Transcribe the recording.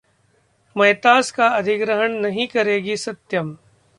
मयतास का अधिग्रहण नहीं करेगी सत्यम